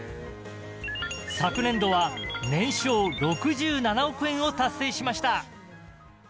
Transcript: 昨年度は年商６７億円を達成しました。